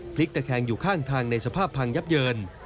พลิกตะแคงอยู่ข้างทางในสภาพพังยับเยิน